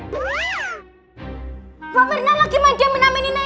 bapak mirna lagi main diamin amininnya